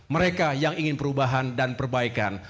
mereka yang ingin perubahan dan perbaikan